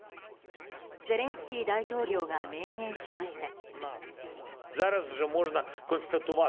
ゼレンスキー大統領が明言しました。